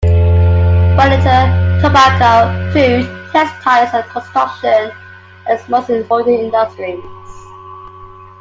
Furniture, tobacco, food, textiles and construction are its most important industries.